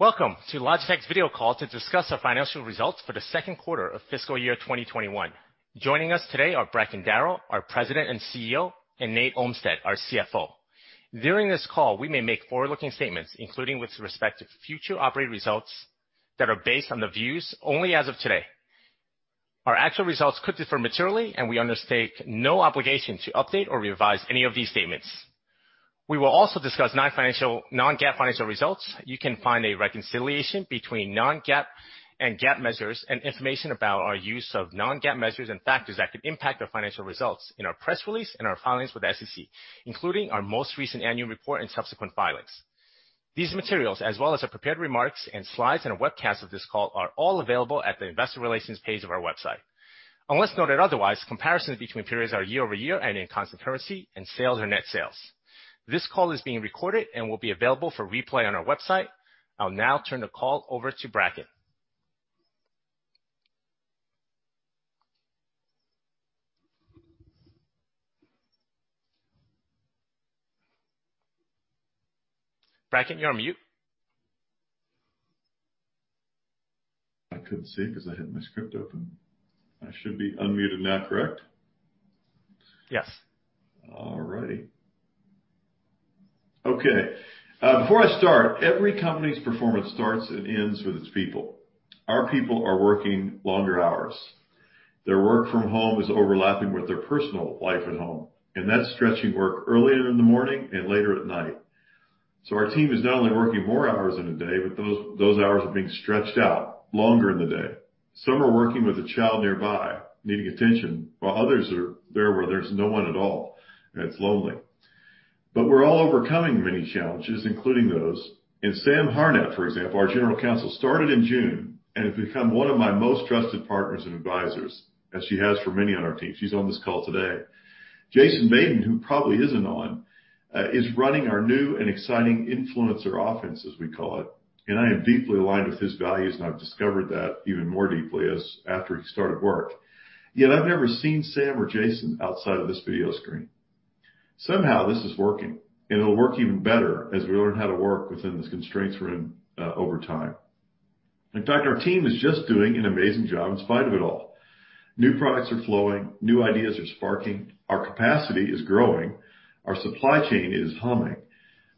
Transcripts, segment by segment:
Welcome to Logitech's video call to discuss our financial results for the Q2 of fiscal year 2021. Joining us today are Bracken Darrell, our President and CEO, and Nate Olmstead, our CFO. During this call, we may make forward-looking statements, including with respect to future operating results that are based on the views only as of today. Our actual results could differ materially, and we undertake no obligation to update or revise any of these statements. We will also discuss non-GAAP financial results. You can find a reconciliation between non-GAAP and GAAP measures and information about our use of non-GAAP measures and factors that could impact our financial results in our press release and our filings with the SEC, including our most recent annual report and subsequent filings. These materials, as well as our prepared remarks and slides and a webcast of this call, are all available at the investor relations page of our website. Unless noted otherwise, comparisons between periods are year-over-year and in constant currency, and sales are net sales. This call is being recorded and will be available for replay on our website. I'll now turn the call over to Bracken. Bracken, you're on mute. I couldn't see it because I had my script open. I should be unmuted now, correct? Yes. All righty. Okay. Before I start, every company's performance starts and ends with its people. Our people are working longer hours. Their work from home is overlapping with their personal life at home, and that's stretching work earlier in the morning and later at night. Our team is not only working more hours in a day, but those hours are being stretched out longer in the day. Some are working with a child nearby, needing attention, while others are there where there's no one at all, and it's lonely. We're all overcoming many challenges, including those. Sam Harnett, for example, our General Counsel, started in June and has become one of my most trusted partners and advisors, as she has for many on our team. She's on this call today. Jason Mayden, who probably isn't on, is running our new and exciting influencer offense, as we call it. I am deeply aligned with his values. I've discovered that even more deeply after he started work. Yet I've never seen Sam or Jason outside of this video screen. Somehow, this is working. It'll work even better as we learn how to work within the constraints we're in over time. In fact, our team is just doing an amazing job in spite of it all. New products are flowing, new ideas are sparking, our capacity is growing, our supply chain is humming.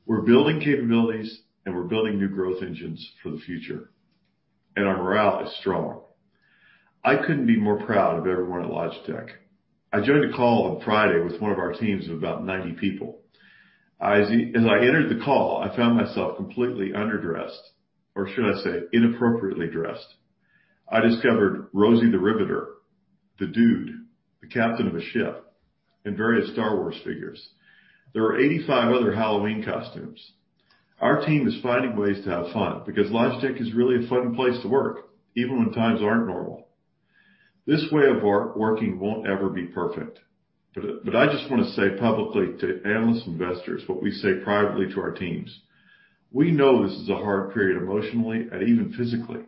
We're building capabilities. We're building new growth engines for the future. Our morale is strong. I couldn't be more proud of everyone at Logitech. I joined a call on Friday with one of our teams of about 90 people. As I entered the call, I found myself completely underdressed, or should I say inappropriately dressed. I discovered Rosie the Riveter, The Dude, the captain of a ship, and various Star Wars figures. There were 85 other Halloween costumes. Our team is finding ways to have fun because Logitech is really a fun place to work, even when times aren't normal. This way of working won't ever be perfect, but I just want to say publicly to analysts and investors what we say privately to our teams. We know this is a hard period emotionally and even physically.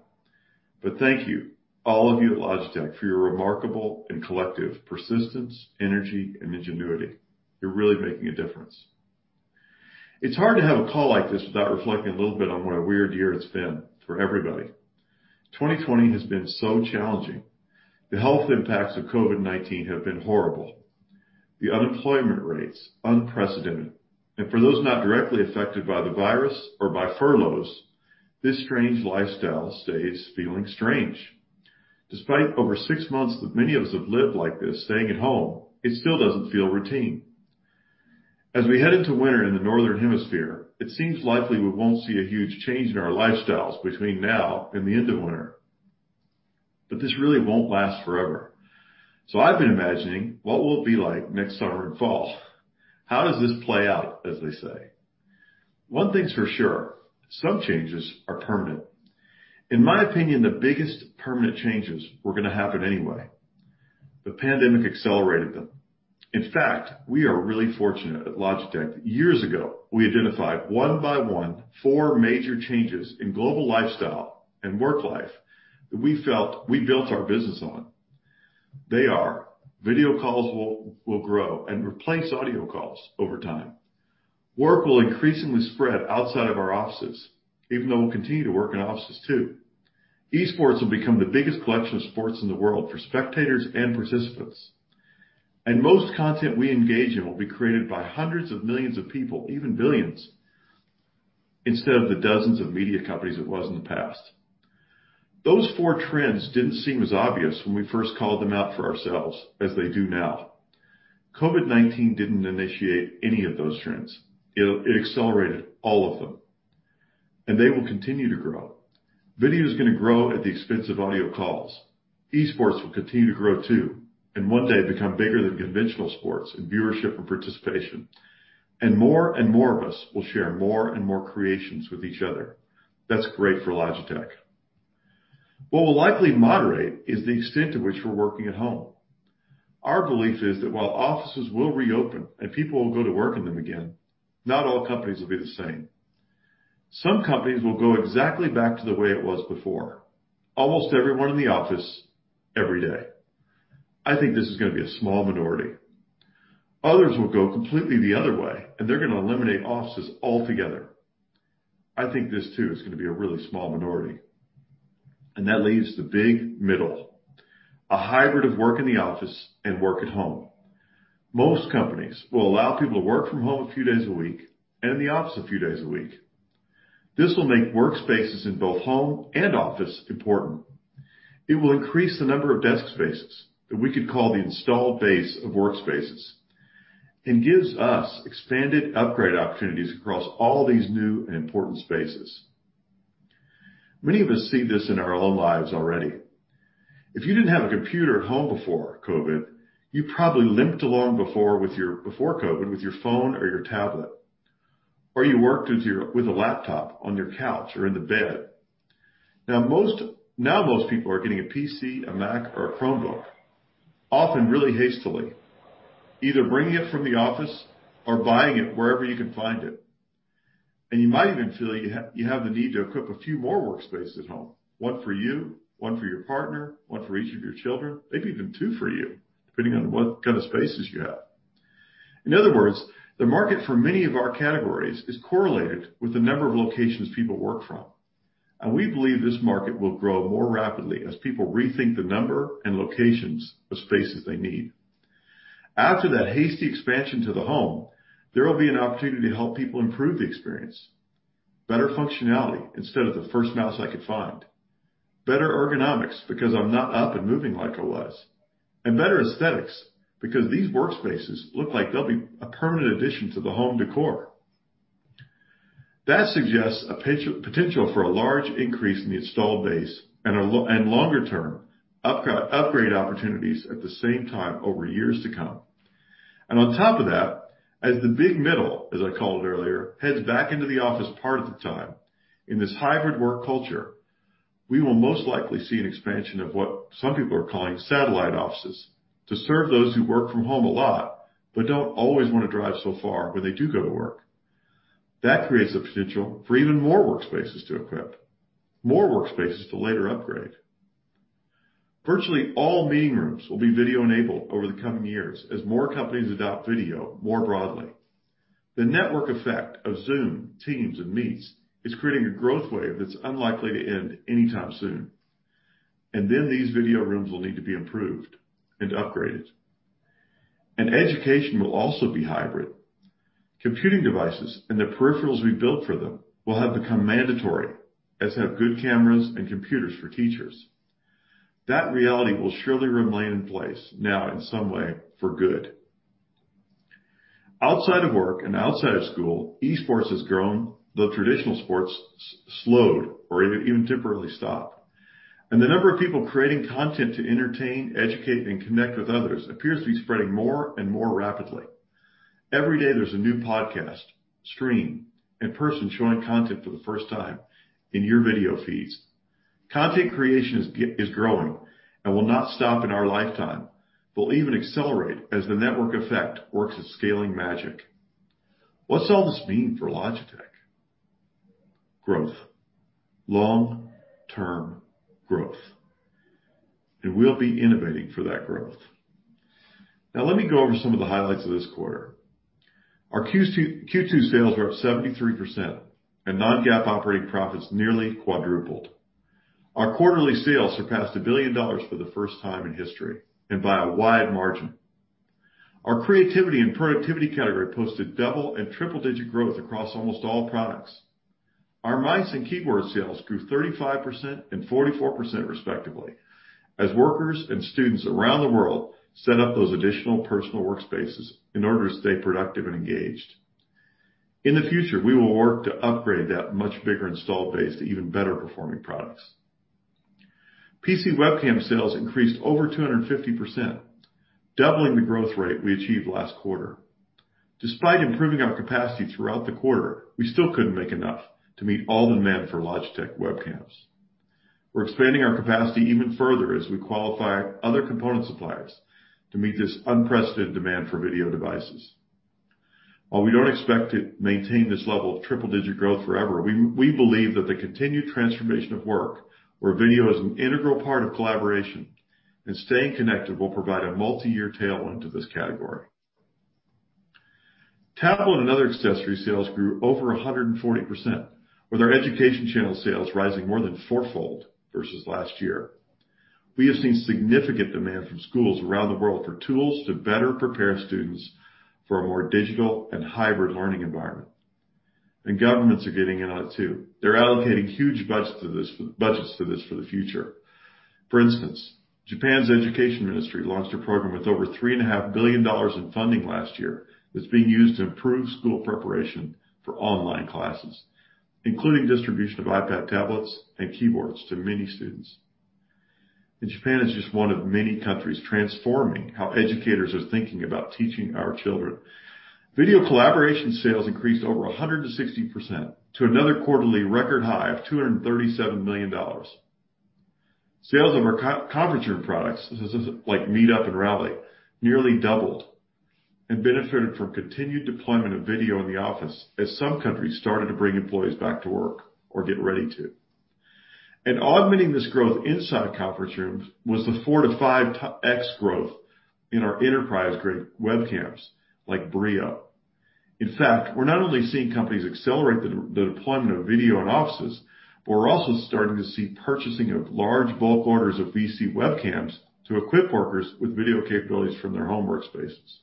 Thank you, all of you at Logitech, for your remarkable and collective persistence, energy, and ingenuity. You're really making a difference. It's hard to have a call like this without reflecting a little bit on what a weird year it's been for everybody. 2020 has been so challenging. The health impacts of COVID-19 have been horrible, the unemployment rates unprecedented, and for those not directly affected by the virus or by furloughs, this strange lifestyle stays feeling strange. Despite over six months that many of us have lived like this, staying at home, it still doesn't feel routine. As we head into winter in the northern hemisphere, it seems likely we won't see a huge change in our lifestyles between now and the end of winter. This really won't last forever. I've been imagining what will it be like next summer and fall? How does this play out, as they say? One thing's for sure, some changes are permanent. In my opinion, the biggest permanent changes were going to happen anyway. The pandemic accelerated them. In fact, we are really fortunate at Logitech. Years ago, we identified, one by one, four major changes in global lifestyle and work life that we felt we built our business on. They are video calls will grow and replace audio calls over time. Work will increasingly spread outside of our offices, even though we'll continue to work in offices, too. Esports will become the biggest collection of sports in the world for spectators and participants. Most content we engage in will be created by hundreds of millions of people, even billions, instead of the dozens of media companies it was in the past. Those four trends didn't seem as obvious when we first called them out for ourselves as they do now. COVID-19 didn't initiate any of those trends. It accelerated all of them, and they will continue to grow. Video's going to grow at the expense of audio calls. Esports will continue to grow, too. One day become bigger than conventional sports in viewership and participation. More and more of us will share more and more creations with each other. That's great for Logitech. What will likely moderate is the extent to which we're working at home. Our belief is that while offices will reopen and people will go to work in them again, not all companies will be the same. Some companies will go exactly back to the way it was before. Almost everyone in the office every day. I think this is going to be a small minority. Others will go completely the other way, and they're going to eliminate offices altogether. I think this too is going to be a really small minority, and that leaves the big middle, a hybrid of work in the office and work at home. Most companies will allow people to work from home a few days a week, and in the office a few days a week. This will make workspaces in both home and office important. It will increase the number of desk spaces that we could call the installed base of workspaces, and gives us expanded upgrade opportunities across all these new and important spaces. Many of us see this in our own lives already. If you didn't have a computer at home before COVID, you probably limped along before COVID with your phone or your tablet, or you worked with a laptop on your couch or in the bed. Now most people are getting a PC, a Mac, or a Chromebook, often really hastily, either bringing it from the office or buying it wherever you can find it. You might even feel you have the need to equip a few more workspaces at home. One for you, one for your partner, one for each of your children, maybe even two for you, depending on what kind of spaces you have. In other words, the market for many of our categories is correlated with the number of locations people work from, and we believe this market will grow more rapidly as people rethink the number and locations of spaces they need. After that hasty expansion to the home, there will be an opportunity to help people improve the experience. Better functionality instead of the first mouse I could find. Better ergonomics because I'm not up and moving like I was. Better aesthetics because these workspaces look like they'll be a permanent addition to the home decor. That suggests a potential for a large increase in the installed base, longer-term, upgrade opportunities at the same time over years to come. On top of that, as the big middle, as I called it earlier, heads back into the office part of the time, in this hybrid work culture, we will most likely see an expansion of what some people are calling satellite offices to serve those who work from home a lot but don't always want to drive so far when they do go to work. That creates the potential for even more workspaces to equip, more workspaces to later upgrade. Virtually all meeting rooms will be video-enabled over the coming years as more companies adopt video more broadly. The network effect of Zoom, Teams, and Meet is creating a growth wave that's unlikely to end anytime soon. These video rooms will need to be improved and upgraded. Education will also be hybrid. Computing devices and the peripherals we build for them will have become mandatory, as have good cameras and computers for teachers. That reality will surely remain in place now in some way for good. Outside of work and outside of school, esports has grown, though traditional sports slowed or even temporarily stopped. The number of people creating content to entertain, educate, and connect with others appears to be spreading more and more rapidly. Every day there's a new podcast, stream, and person showing content for the first time in your video feeds. Content creation is growing and will not stop in our lifetime, will even accelerate as the network effect works its scaling magic. What's all this mean for Logitech? Growth. Long-term growth. We'll be innovating for that growth. Let me go over some of the highlights of this quarter. Our Q2 sales were up 73%, and non-GAAP operating profits nearly quadrupled. Our quarterly sales surpassed $1 billion for the first time in history, and by a wide margin. Our Creativity and Productivity category posted double and triple-digit growth across almost all products. Our mice and keyboard sales grew 35% and 44% respectively, as workers and students around the world set up those additional personal workspaces in order to stay productive and engaged. In the future, we will work to upgrade that much bigger installed base to even better-performing products. PC webcam sales increased over 250%, doubling the growth rate we achieved last quarter. Despite improving our capacity throughout the quarter, we still couldn't make enough to meet all demand for Logitech webcams. We're expanding our capacity even further as we qualify other component suppliers to meet this unprecedented demand for video devices. While we don't expect to maintain this level of triple-digit growth forever, we believe that the continued transformation of work, where video is an integral part of collaboration and staying connected, will provide a multi-year tailwind to this category. Tablet and other accessory sales grew over 140%, with our education channel sales rising more than fourfold versus last year. We have seen significant demand from schools around the world for tools to better prepare students for a more digital and hybrid learning environment. Governments are getting in on it, too. They're allocating huge budgets for this for the future. For instance, Japan's education ministry launched a program with over $3.5 billion in funding last year that's being used to improve school preparation for online classes, including distribution of iPad tablets and keyboards to many students. Japan is just one of many countries transforming how educators are thinking about teaching our children. Video collaboration sales increased over 160% to another quarterly record high of $237 million. Sales of our conference room products, like MeetUp and Rally, nearly doubled and benefited from continued deployment of video in the office as some countries started to bring employees back to work or get ready to. Augmenting this growth inside conference rooms was the 4 to 5x growth in our enterprise-grade webcams, like Brio. In fact, we're not only seeing companies accelerate the deployment of video in offices, we're also starting to see purchasing of large bulk orders of VC webcams to equip workers with video capabilities from their home workspaces.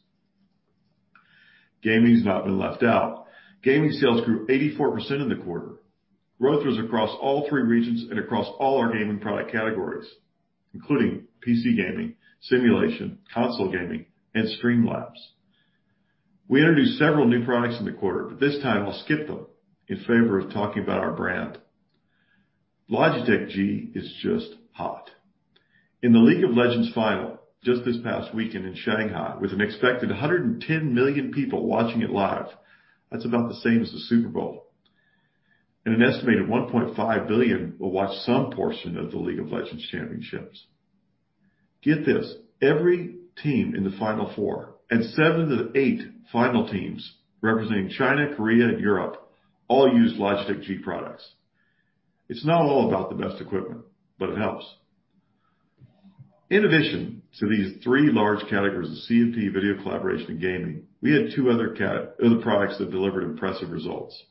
Gaming has not been left out. Gaming sales grew 84% in the quarter. Growth was across all three regions and across all our gaming product categories, including PC gaming, simulation, console gaming, and Streamlabs. We introduced several new products in the quarter, this time I'll skip them in favor of talking about our brand. Logitech G is just hot. In the League of Legends final, just this past weekend in Shanghai, with an expected 110 million people watching it live. That's about the same as the Super Bowl. An estimated 1.5 billion will watch some portion of the League of Legends championships. Get this, every team in the final four and seven of the eight final teams, representing China, Korea, and Europe, all use Logitech G products. It's not all about the best equipment, but it helps. In addition to these three large categories of C&P, video collaboration, and gaming, we had two other products that delivered impressive results.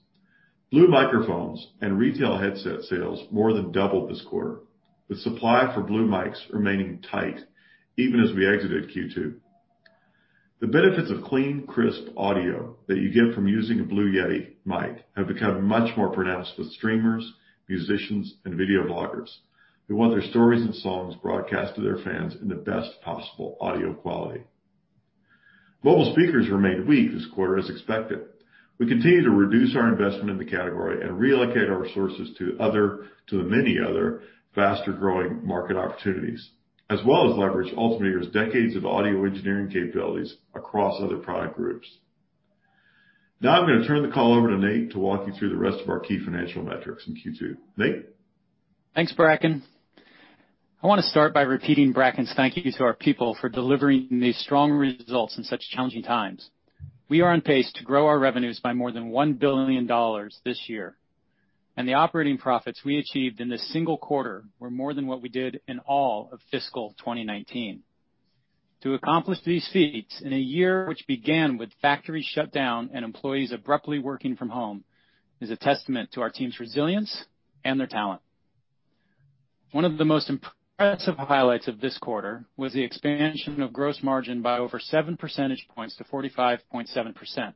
Blue microphones and retail headset sales more than doubled this quarter, with supply for Blue mics remaining tight even as we exited Q2. The benefits of clean, crisp audio that you get from using a Blue Yeti mic have become much more pronounced with streamers, musicians, and video bloggers, who want their stories and songs broadcast to their fans in the best possible audio quality. Mobile speakers remained weak this quarter as expected. We continue to reduce our investment in the category and reallocate our resources to the many other faster-growing market opportunities, as well as leverage Ultimate Ears' decades of audio engineering capabilities across other product groups. I'm going to turn the call over to Nate to walk you through the rest of our key financial metrics in Q2. Nate? Thanks, Bracken. I want to start by repeating Bracken's thank you to our people for delivering these strong results in such challenging times. We are on pace to grow our revenues by more than $1 billion this year. The operating profits we achieved in this single quarter were more than what we did in all of fiscal 2019. To accomplish these feats in a year which began with factories shut down and employees abruptly working from home, is a testament to our team's resilience and their talent. One of the most impressive highlights of this quarter was the expansion of gross margin by over seven percentage points to 45.7%.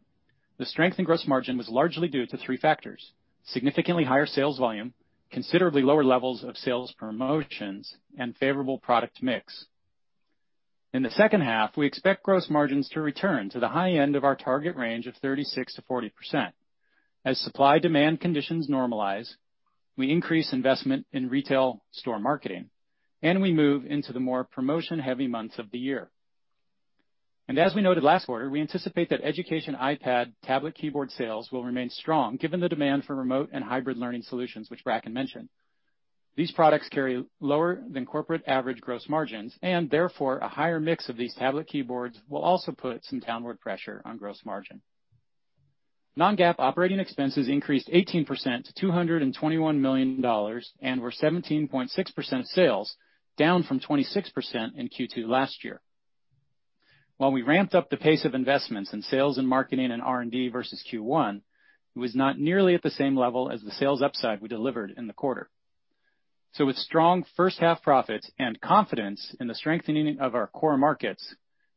The strength in gross margin was largely due to three factors, significantly higher sales volume, considerably lower levels of sales promotions, and favorable product mix. In the second half, we expect gross margins to return to the high end of our target range of 36%-40%. As supply-demand conditions normalize, we increase investment in retail store marketing, we move into the more promotion-heavy months of the year. As we noted last quarter, we anticipate that education iPad tablet keyboard sales will remain strong given the demand for remote and hybrid learning solutions, which Bracken mentioned. These products carry lower than corporate average gross margins. Therefore, a higher mix of these tablet keyboards will also put some downward pressure on gross margin. non-GAAP operating expenses increased 18% to $221 million and were 17.6% sales, down from 26% in Q2 last year. While we ramped up the pace of investments in sales and marketing and R&D versus Q1, it was not nearly at the same level as the sales upside we delivered in the quarter. With strong first half profits and confidence in the strengthening of our core markets,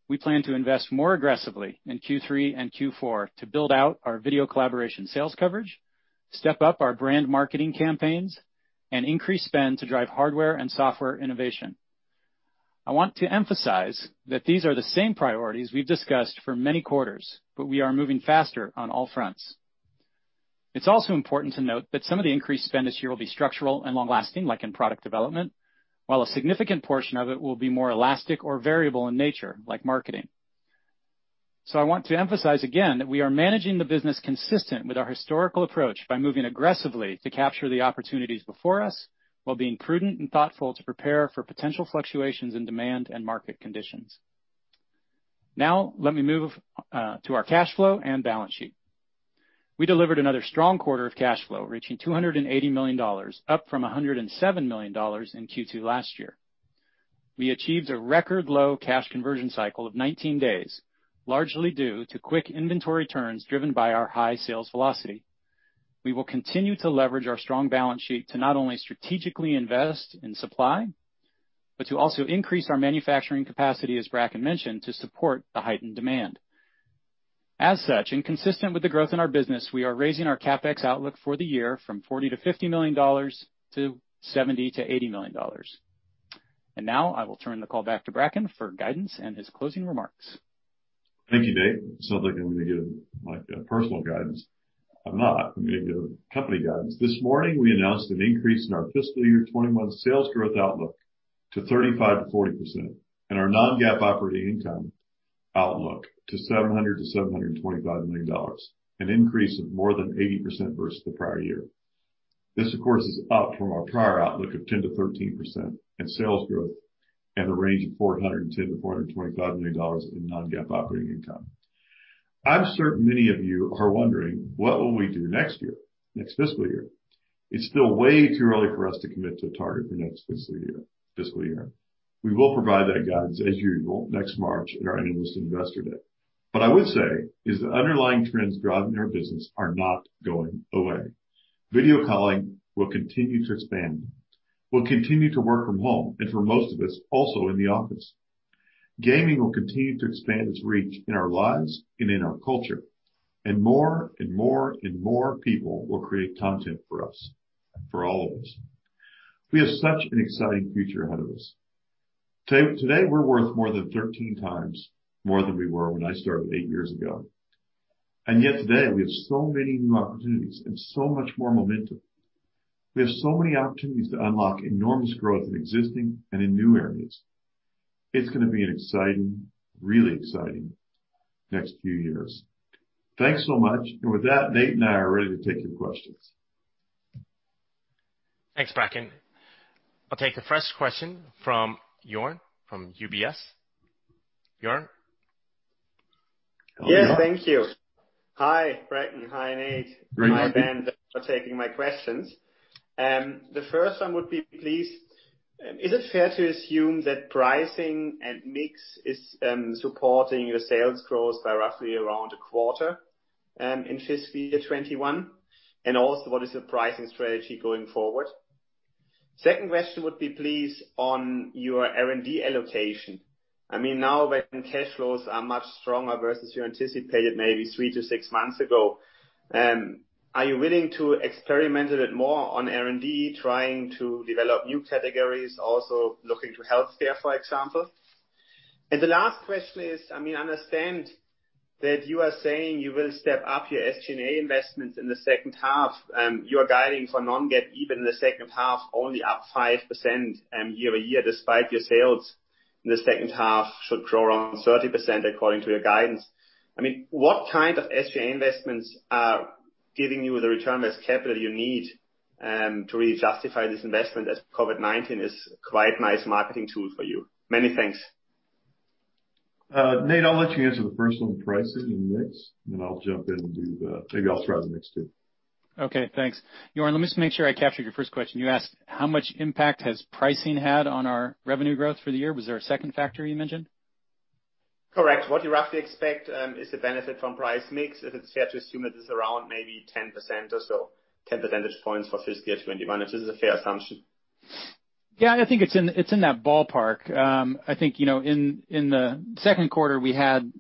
we plan to invest more aggressively in Q3 and Q4 to build out our Video Collaboration sales coverage, step up our brand marketing campaigns, and increase spend to drive hardware and software innovation. I want to emphasize that these are the same priorities we've discussed for many quarters, but we are moving faster on all fronts. It's also important to note that some of the increased spend this year will be structural and long-lasting, like in product development, while a significant portion of it will be more elastic or variable in nature, like marketing. I want to emphasize again that we are managing the business consistent with our historical approach by moving aggressively to capture the opportunities before us while being prudent and thoughtful to prepare for potential fluctuations in demand and market conditions. Let me move to our cash flow and balance sheet. We delivered another strong quarter of cash flow, reaching $280 million, up from $107 million in Q2 last year. We achieved a record low cash conversion cycle of 19 days, largely due to quick inventory turns driven by our high sales velocity. We will continue to leverage our strong balance sheet to not only strategically invest in supply, but to also increase our manufacturing capacity, as Bracken mentioned, to support the heightened demand. As such, consistent with the growth in our business, we are raising our CapEx outlook for the year from $40 million-$50 million to $70 million-$80 million. Now I will turn the call back to Bracken for guidance and his closing remarks. Thank you, Nate. Sounds like I'm going to give my personal guidance. I'm not. I'm going to give company guidance. This morning, we announced an increase in our fiscal year 2021 sales growth outlook to 35%-40%, and our non-GAAP operating income outlook to $700 million-$725 million, an increase of more than 80% versus the prior year. This, of course, is up from our prior outlook of 10%-13% in sales growth the range of $410 million-$425 million in non-GAAP operating income. I'm certain many of you are wondering, what will we do next year, next fiscal year? It's still way too early for us to commit to a target for next fiscal year. We will provide that guidance as usual next March in our Analyst & Investor Day. What I would say is the underlying trends driving our business are not going away. Video calling will continue to expand. We'll continue to work from home, and for most of us, also in the office. Gaming will continue to expand its reach in our lives and in our culture. More and more people will create content for us, for all of us. We have such an exciting future ahead of us. Today, we're worth more than 13x more than we were when I started eight years ago. Yet today, we have so many new opportunities and so much more momentum. We have so many opportunities to unlock enormous growth in existing and in new areas. It's going to be an exciting, really exciting next few years. Thanks so much. With that, Nate and I are ready to take your questions. Thanks, Bracken. I'll take the first question from Joern Iffert from UBS. Joern? Yeah, thank you. Hi, Bracken. Hi, Nate. Great morning. Thank you, Ben, for taking my questions. The first one would be, please, is it fair to assume that pricing and mix is supporting your sales growth by roughly around a quarter in fiscal year 2021? Also, what is the pricing strategy going forward? Second question would be, please, on your R&D allocation. Now when cash flows are much stronger versus you anticipated maybe three to six months ago, are you willing to experiment a bit more on R&D, trying to develop new categories, also looking to healthcare, for example? The last question is, I understand that you are saying you will step up your SG&A investments in the second half. You are guiding for non-GAAP even in the second half, only up 5% year-over-year, despite your sales in the second half should grow around 30%, according to your guidance. What kind of SG&A investments are giving you the return as capital you need, to really justify this investment as COVID-19 is quite nice marketing tool for you? Many thanks. Nate, I'll let you answer the first one on pricing and mix, then I'll jump in and maybe I'll try the next two. Okay, thanks. Joern, let me just make sure I captured your first question. You asked how much impact has pricing had on our revenue growth for the year. Was there a second factor you mentioned? Correct. What do you roughly expect is the benefit from price mix? Is it fair to assume it is around maybe 10% or so, 10 percentage points for fiscal year 2021? Is this a fair assumption? I think it's in that ballpark. I think, in the Q2, we had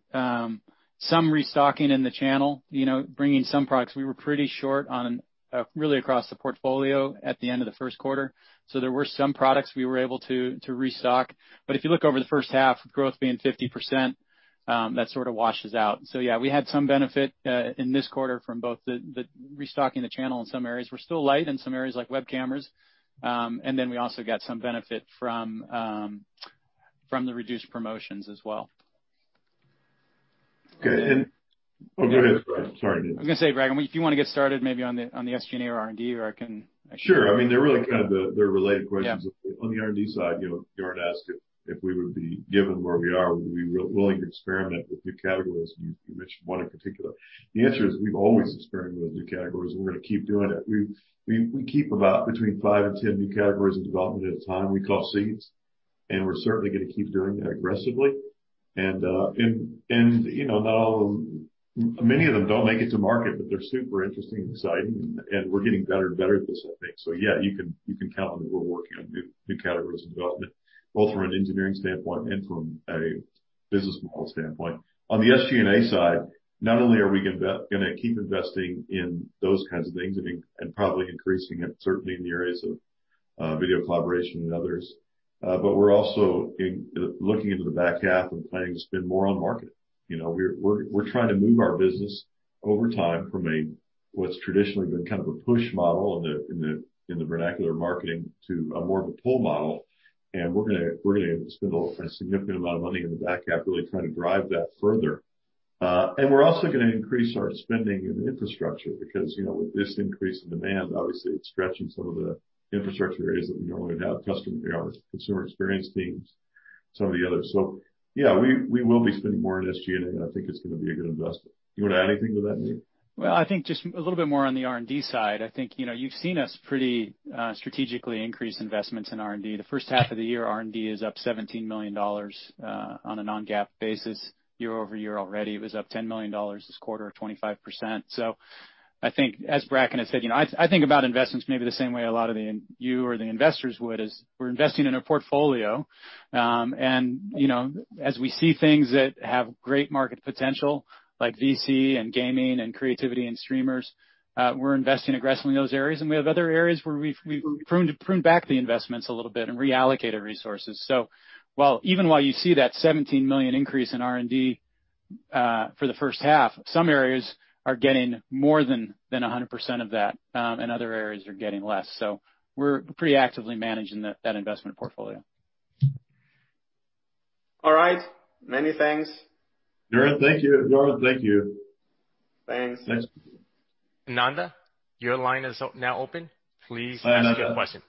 some restocking in the channel, bringing some products. We were pretty short on really across the portfolio at the end of the Q1. There were some products we were able to restock. If you look over the first half, growth being 50%, that sort of washes out. We had some benefit in this quarter from both the restocking the channel in some areas. We're still light in some areas like web cameras. We also got some benefit from the reduced promotions as well. Good. Oh, go ahead. Sorry, Nate. I was going to say, Bracken, if you want to get started maybe on the SG&A or R&D, or I can- Sure. They're really kind of related questions. Yeah. On the R&D side, Joern asked if we would be given where we are, would we be willing to experiment with new categories, and you mentioned one in particular. The answer is we've always experimented with new categories, and we're going to keep doing it. We keep about between five and 10 new categories in development at a time. We call seeds, and we're certainly going to keep doing that aggressively. Not all of them, many of them don't make it to market, but they're super interesting and exciting, and we're getting better and better at this, I think. Yeah, you can count on that we're working on new categories in development, both from an engineering standpoint and from a business model standpoint. On the SG&A side, not only are we going to keep investing in those kinds of things and probably increasing it, certainly in the areas of Video Collaboration and others. We're also looking into the back half and planning to spend more on marketing. We're trying to move our business over time from a, what's traditionally been kind of a push model in the vernacular marketing, to a more of a pull model, and we're going to spend a significant amount of money in the back half really trying to drive that further. We're also going to increase our spending in infrastructure because, with this increase in demand, obviously it's stretching some of the infrastructure areas that we normally have, customer experience, consumer experience teams, some of the others. Yeah, we will be spending more on SG&A, and I think it's going to be a good investment. You want to add anything to that, Nate? Well, I think just a little bit more on the R&D side. I think, you've seen us pretty strategically increase investments in R&D. The first half of the year, R&D is up $17 million, on a non-GAAP basis, year-over-year already. It was up $10 million this quarter of 25%. I think, as Bracken has said, I think about investments maybe the same way a lot of you or the investors would, is we're investing in a portfolio. As we see things that have great market potential, like VC and gaming and creativity and streamers, we're investing aggressively in those areas. We have other areas where we've pruned back the investments a little bit and reallocated resources. Even while you see that $17 million increase in R&D for the first half, some areas are getting more than 100% of that, and other areas are getting less. We're pretty actively managing that investment portfolio. All right. Many thanks. Joern, thank you. Thanks. Thanks. Ananda Baruah, your line is now open. Please ask your question.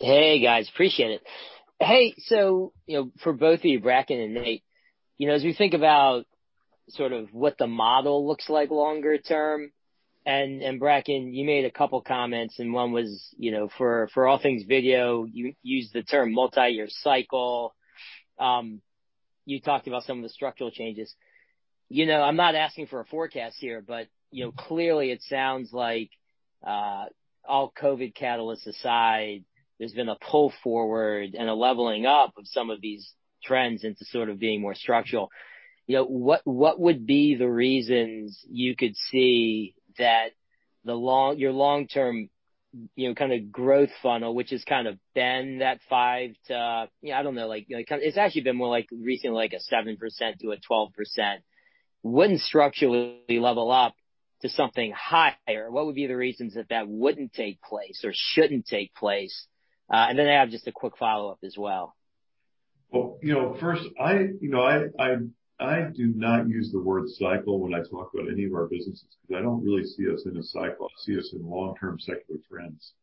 Hey, guys. Appreciate it. For both of you, Bracken and Nate, as we think about what the model looks like longer term, Bracken, you made a couple comments, and one was for all things video, you used the term multi-year cycle. You talked about some of the structural changes. I'm not asking for a forecast here, clearly it sounds like all COVID catalysts aside, there's been a pull forward and a leveling up of some of these trends into being more structural. What would be the reasons you could see that your long-term kind of growth funnel, which has kind of been that five to, I don't know, it's actually been more recently like a 7%-12%, wouldn't structurally level up to something higher? What would be the reasons that that wouldn't take place or shouldn't take place? I have just a quick follow-up as well. Well, first, I do not use the word cycle when I talk about any of our businesses, because I don't really see us in a cycle. I see us in long-term secular trends.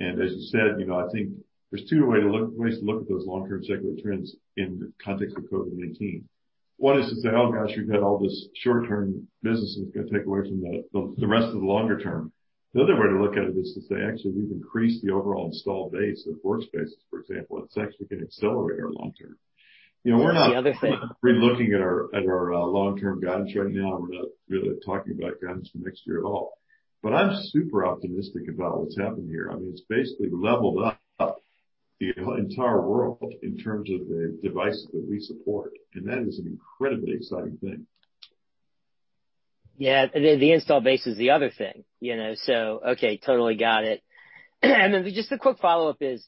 As you said, I think there's two ways to look at those long-term secular trends in the context of COVID-19. One is to say, "Oh, gosh, we've got all this short-term business that's going to take away from the rest of the longer term." The other way to look at it is to say, actually, we've increased the overall installed base of workspaces, for example, it's actually going to accelerate our long term. We're not re-looking at our long-term guidance right now. We're not really talking about guidance for next year at all. I'm super optimistic about what's happened here. I mean, it's basically leveled up the entire world in terms of the devices that we support. That is an incredibly exciting thing. Yeah. The install base is the other thing. Okay, totally got it. Just a quick follow-up is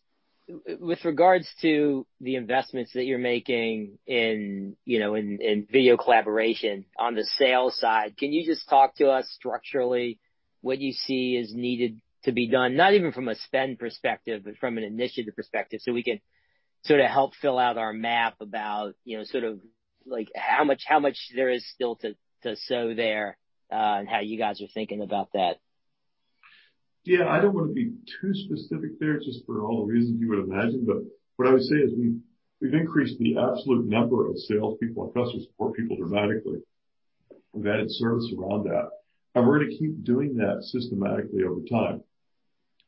with regards to the investments that you're making in video collaboration on the sales side, can you just talk to us structurally what you see is needed to be done? Not even from a spend perspective, but from an initiative perspective, we can sort of help fill out our map about how much there is still to sow there, and how you guys are thinking about that. Yeah, I don't want to be too specific there just for all the reasons you would imagine. What I would say is we've increased the absolute number of salespeople and customer support people dramatically and added service around that. We're going to keep doing that systematically over time,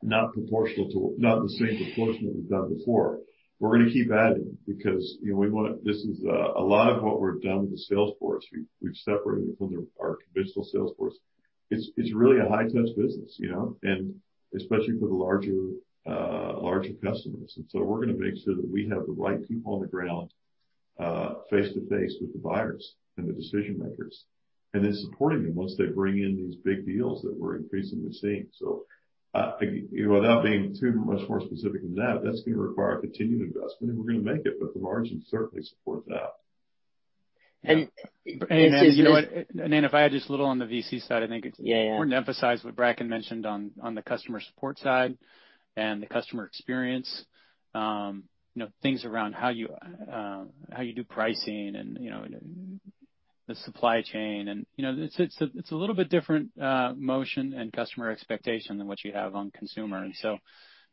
not the same proportion that we've done before. We're going to keep adding because a lot of what we've done with the sales force, we've separated it from our traditional sales force. It's really a high-touch business, and especially for the larger customers. We're going to make sure that we have the right people on the ground face to face with the buyers and the decision makers, and then supporting them once they bring in these big deals that we're increasingly seeing. Without being too much more specific than that's going to require continued investment, and we're going to make it, but the margins certainly support that. You know what, Ananda? If I add just a little on the VC side, I think it's important to emphasize what Bracken mentioned on the customer support side and the customer experience. Things around how you do pricing and the supply chain, and it's a little bit different motion and customer expectation than what you have on consumer.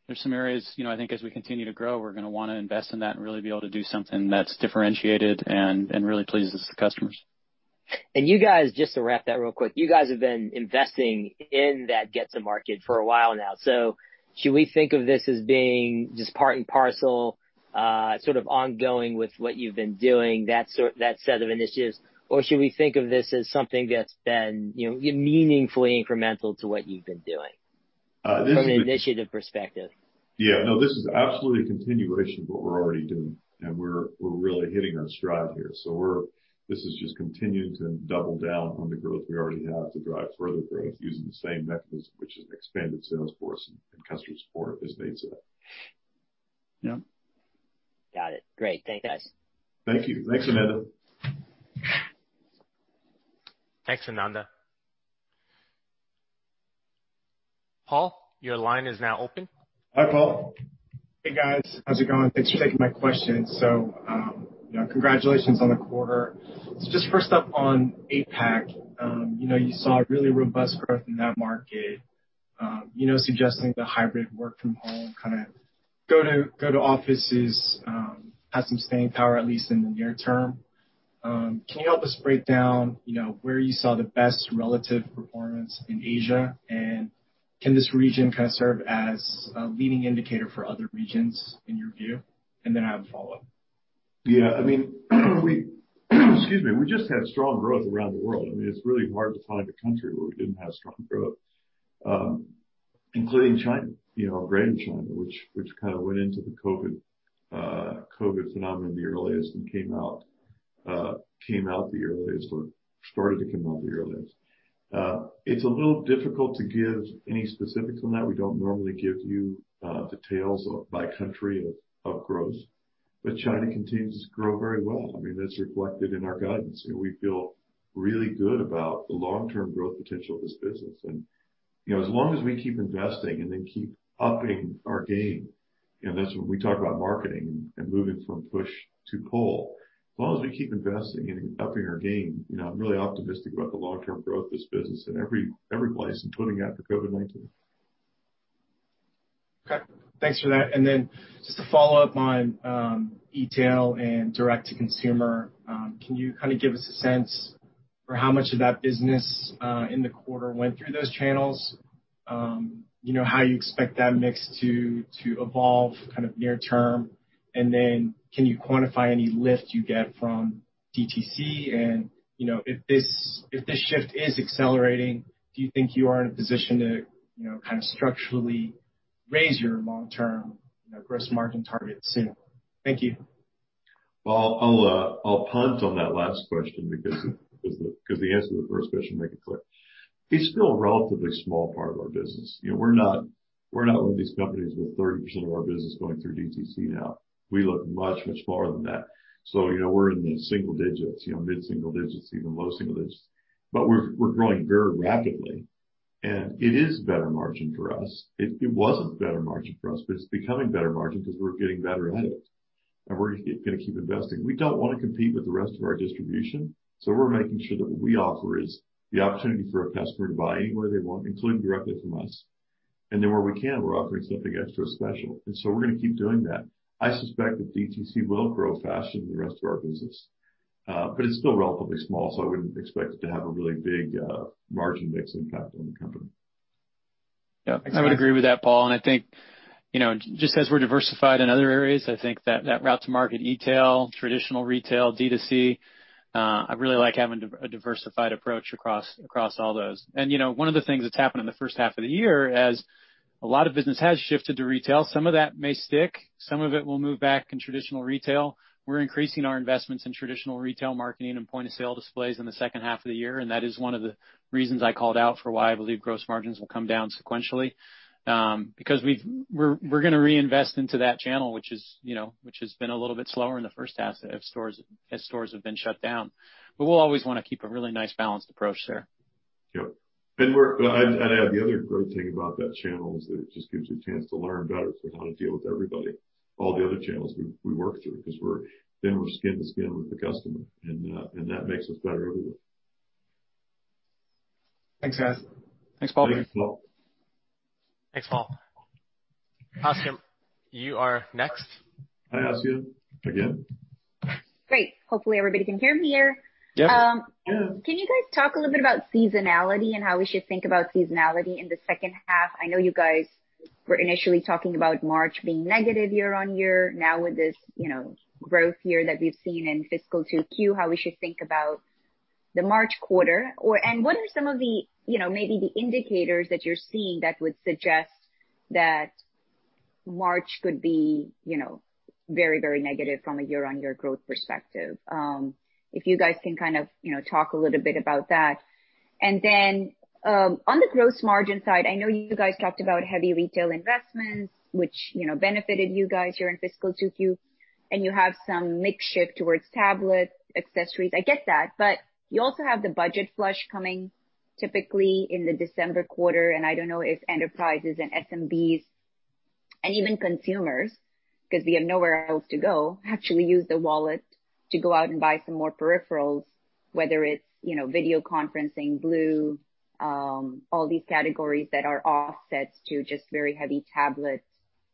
There's some areas I think as we continue to grow, we're going to want to invest in that and really be able to do something that's differentiated and really pleases the customers. You guys, just to wrap that real quick, you guys have been investing in that get to market for a while now. Should we think of this as being just part and parcel sort of ongoing with what you've been doing, that set of initiatives? Should we think of this as something that's been meaningfully incremental to what you've been doing from an initiative perspective? Yeah, no, this is absolutely a continuation of what we're already doing, and we're really hitting our stride here. This is just continuing to double down on the growth we already have to drive further growth using the same mechanism, which is expanded sales force and customer support as Nate said. Yeah. Got it. Great. Thanks, guys. Thank you. Thanks, Ananda. Thanks, Ananda. Paul Chung, your line is now open. Hi, Paul. Hey, guys. How's it going? Thanks for taking my question. Congratulations on the quarter. Just first up on APAC. You saw really robust growth in that market suggesting the hybrid work from home kind of go to offices has some staying power, at least in the near term. Can this region kind of serve as a leading indicator for other regions in your view? Then I have a follow-up. Yeah. I mean, excuse me. We just had strong growth around the world. I mean, it's really hard to find a country where we didn't have strong growth, including China, greater China, which kind of went into the COVID-19 phenomenon the earliest and came out the earliest or started to come out the earliest. It's a little difficult to give any specifics on that. We don't normally give you details by country of growth, but China continues to grow very well. That's reflected in our guidance, and we feel really good about the long-term growth potential of this business. As long as we keep investing and then keep upping our game, that's when we talk about marketing and moving from push to pull. As long as we keep investing and upping our game, I'm really optimistic about the long-term growth of this business in every place, including after COVID-19. Okay. Thanks for that. Just to follow up on e-tail and direct-to-consumer, can you kind of give us a sense for how much of that business in the quarter went through those channels? How you expect that mix to evolve kind of near term, and then can you quantify any lift you get from DTC? If this shift is accelerating, do you think you are in a position to kind of structurally raise your long-term gross margin target sooner? Thank you. Well, I'll punt on that last question because the answer to the first question will make it clear. It's still a relatively small part of our business. We're not one of these companies with 30% of our business going through DTC now. We look much, much smaller than that. We're in the single digits, mid-single digits, even low single digits. We're growing very rapidly, and it is better margin for us. It wasn't better margin for us, but it's becoming better margin because we're getting better at it, and we're going to keep investing. We don't want to compete with the rest of our distribution, we're making sure that what we offer is the opportunity for a customer to buy anywhere they want, including directly from us. Where we can, we're offering something extra special. We're going to keep doing that. I suspect that DTC will grow faster than the rest of our business. It's still relatively small, so I wouldn't expect it to have a really big margin mix impact on the company. Yeah, I would agree with that, Paul. I think, just as we're diversified in other areas, I think that route to market e-tail, traditional retail, D2C, I really like having a diversified approach across all those. One of the things that's happened in the first half of the year, as a lot of business has shifted to retail, some of that may stick, some of it will move back in traditional retail. We're increasing our investments in traditional retail marketing and point-of-sale displays in the second half of the year. That is one of the reasons I called out for why I believe gross margins will come down sequentially. We're going to reinvest into that channel, which has been a little bit slower in the first half as stores have been shut down. We'll always want to keep a really nice balanced approach there. Yep. I'd add the other great thing about that channel is that it just gives you a chance to learn better how to deal with everybody, all the other channels we work through, because then we're skin to skin with the customer, and that makes us better overall. Thanks, guys. Thanks, Paul. Thanks, Paul. Thanks, Paul. Asiya, you are next. Hi, Asiya. Again. Great. Hopefully, everybody can hear me here. Yeah. Can you guys talk a little bit about seasonality and how we should think about seasonality in the second half? I know you guys were initially talking about March being negative year-on-year. Now with this growth here that we've seen in fiscal 2Q, how we should think about the March quarter. What are some of the maybe the indicators that you're seeing that would suggest that March could be very negative from a year-on-year growth perspective? If you guys can kind of talk a little bit about that. Then, on the gross margin side, I know you guys talked about heavy retail investments, which benefited you guys here in fiscal 2Q, and you have some mix shift towards tablet accessories. I get that, you also have the budget flush coming typically in the December quarter, and I don't know if enterprises and SMBs, and even consumers, because they have nowhere else to go, actually use the wallet to go out and buy some more peripherals, whether it's video conferencing, Blue, all these categories that are offsets to just very heavy tablet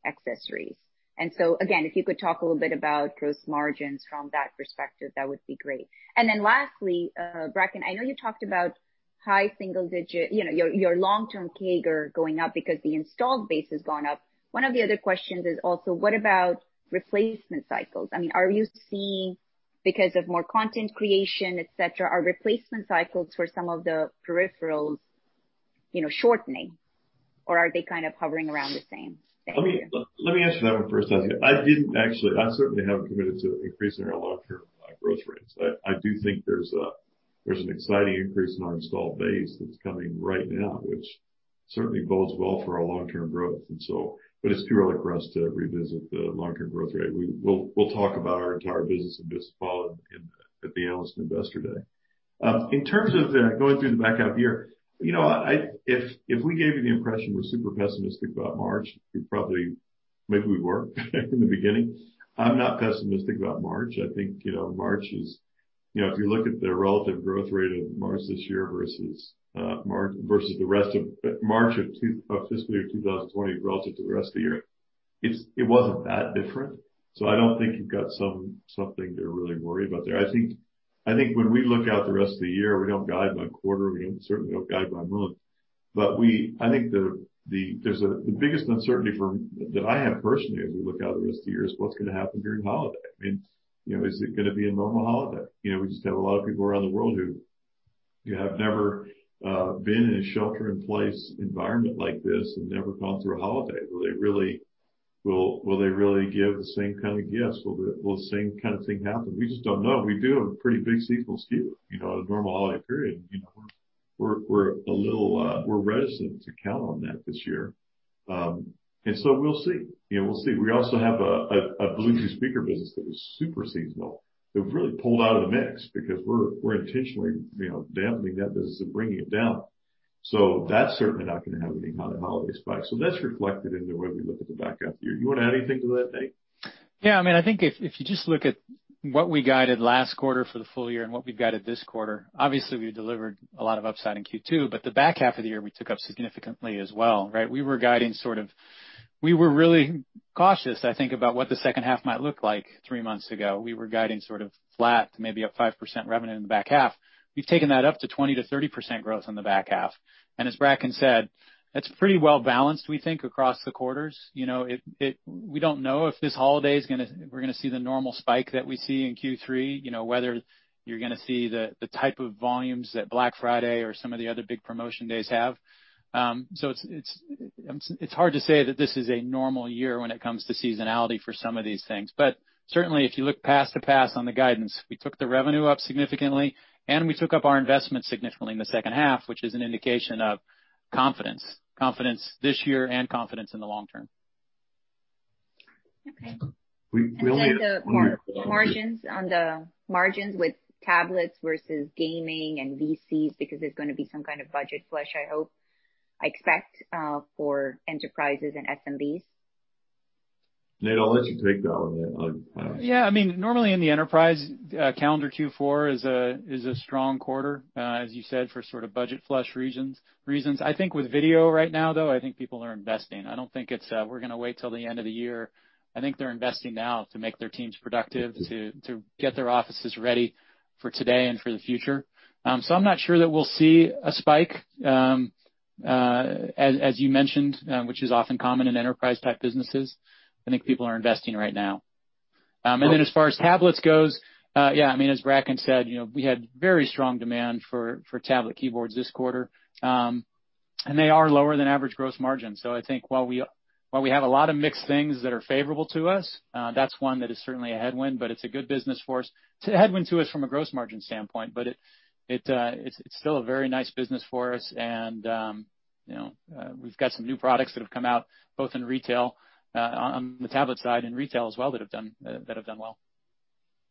accessories. Again, if you could talk a little bit about gross margins from that perspective, that would be great. Lastly, Bracken, I know you talked about high single digit, your long-term CAGR going up because the installed base has gone up. One of the other questions is also what about replacement cycles? I mean, are you seeing because of more content creation, et cetera, are replacement cycles for some of the peripherals shortening, or are they kind of hovering around the same? Thank you. Let me answer that one first, Asiya. I certainly haven't committed to increasing our long-term growth rates. I do think there's an exciting increase in our installed base that's coming right now, which certainly bodes well for our long-term growth. It's too early for us to revisit the long-term growth rate. We'll talk about our entire business in bits, Paul, at the Analyst & Investor Day. In terms of going through the backup here, if we gave you the impression we're super pessimistic about March, we probably, maybe we were in the beginning. I'm not pessimistic about March. I think March is, if you look at the relative growth rate of March this year versus the rest of March of fiscal year 2020 relative to the rest of the year, it wasn't that different. I don't think you've got something to really worry about there. I think when we look out the rest of the year, we don't guide by quarter, we certainly don't guide by month. I think the biggest uncertainty that I have personally as we look out the rest of the year is what's going to happen during holiday. I mean, is it going to be a normal holiday? We just have a lot of people around the world who have never been in a shelter-in-place environment like this and never gone through a holiday. Will they really give the same kind of gifts? Will the same kind of thing happen? We just don't know. We do have a pretty big seasonal skew. A normal holiday period, we're reticent to count- this year. We'll see. We also have a Bluetooth speaker business that was super seasonal. It really pulled out of the mix because we're intentionally dampening that business and bringing it down. That's certainly not going to have any holiday spike. That's reflected in the way we look at the back half of the year. You want to add anything to that, Nate? Yeah. I think if you just look at what we guided last quarter for the full year and what we've guided this quarter, obviously we delivered a lot of upside in Q2, but the back half of the year, we took up significantly as well, right? We were really cautious, I think, about what the H2 might look like three months ago. We were guiding sort of flat to maybe up 5% revenue in the back half. We've taken that up to 20%-30% growth in the back half. As Bracken said, that's pretty well-balanced, we think, across the quarters. We don't know if this holiday we're going to see the normal spike that we see in Q3, whether you're going to see the type of volumes that Black Friday or some of the other big promotion days have. It's hard to say that this is a normal year when it comes to seasonality for some of these things. Certainly, if you look past to past on the guidance, we took the revenue up significantly, and we took up our investment significantly in the second half, which is an indication of confidence. Confidence this year and confidence in the long term. Okay. We only, Then the margins with tablets versus gaming and VCs, because there's going to be some kind of budget flush, I hope, I expect, for enterprises and SMBs. Nate, I'll let you take that one. Yeah. Normally in the enterprise, calendar Q4 is a strong quarter, as you said, for sort of budget flush reasons. I think with video right now, though, I think people are investing. I don't think it's a, "We're going to wait till the end of the year." I think they're investing now to make their teams productive, to get their offices ready for today and for the future. I'm not sure that we'll see a spike, as you mentioned, which is often common in enterprise type businesses. I think people are investing right now. As far as tablets goes, yeah. As Bracken said, we had very strong demand for tablet keyboards this quarter. They are lower than average gross margin. I think while we have a lot of mixed things that are favorable to us, that's one that is certainly a headwind, but it's a good business for us. It's a headwind to us from a gross margin standpoint, but it's still a very nice business for us, and we've got some new products that have come out, both in retail, on the tablet side, and retail as well, that have done well.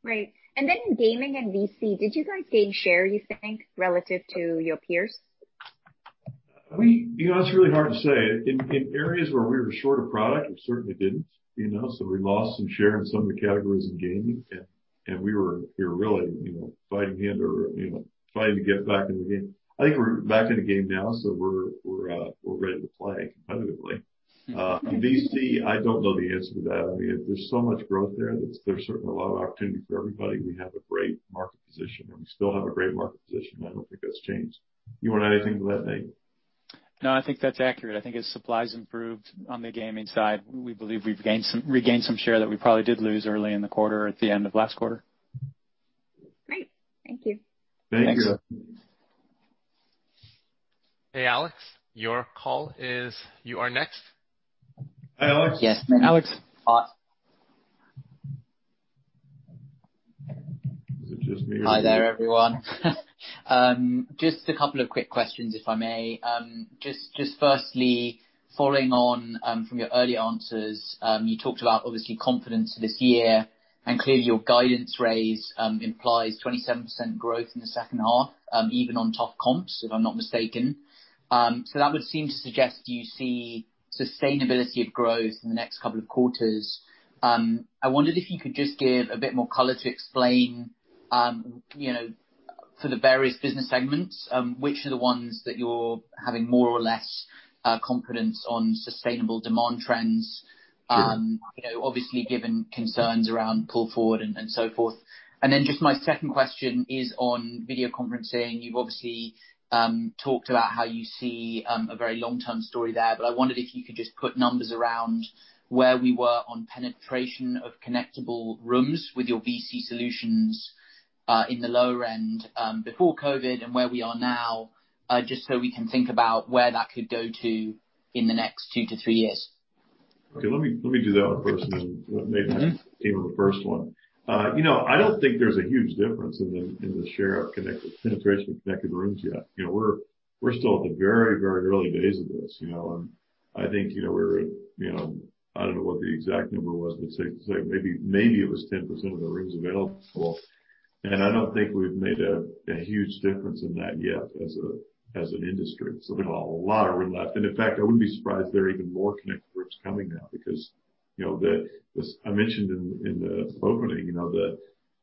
Right. Then in gaming and VC, did you guys gain share, you think, relative to your peers? That's really hard to say. In areas where we were short of product, we certainly didn't. We lost some share in some of the categories in gaming, and we were really fighting to get back in the game. I think we're back in the game now, we're ready to play competitively. VC, I don't know the answer to that. There's so much growth there. There's certainly a lot of opportunity for everybody. We have a great market position, and we still have a great market position. I don't think that's changed. You want to add anything to that, Nate? No, I think that's accurate. I think as supply's improved on the gaming side, we believe we've regained some share that we probably did lose early in the quarter or at the end of last quarter. Great. Thank you. Thank you. Thanks. Hey, Alex. You are next. Hi, Alex. Yes. Alex. Is it just me or, Hi there, everyone. Just a couple of quick questions, if I may. Firstly, following on from your earlier answers, you talked about, obviously, confidence this year, and clearly your guidance raise implies 27% growth in the second half, even on top comps, if I'm not mistaken. That would seem to suggest you see sustainability of growth in the next couple of quarters. I wondered if you could just give a bit more color to explain, for the various business segments, which are the ones that you're having more or less confidence on sustainable demand trends. Sure. Obviously given concerns around pull forward and so forth. Just my second question is on video conferencing. You've obviously talked about how you see a very long-term story there, but I wondered if you could just put numbers around where we were on penetration of connectable rooms with your VC solutions in the lower end before COVID-19 and where we are now, just so we can think about where that could go to in the next two to three years. Okay. Let me do that one first, then maybe I'll give you the first one. I don't think there's a huge difference in the share of penetration of connected rooms yet. We're still at the very, very early days of this. I think we're at, I don't know what the exact number was, but say maybe it was 10% of the rooms available. I don't think we've made a huge difference in that yet as an industry. There's a lot of room left. In fact, I wouldn't be surprised there are even more connected rooms coming now because I mentioned in the opening,